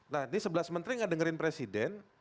nah ini sebelah sementara gak dengerin presiden